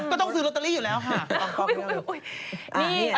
ก็ต้องซื้อลอตเตอรี่อยู่แล้วค่ะ